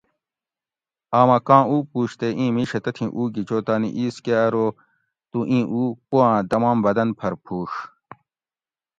آمہ کاں اوُ پوُش تے ایں میِشہ تتھی اوُ گیچو تانی ایس کہۤ ارو تو ایں اوُ پواۤں تمام بدن پھر پھُڛ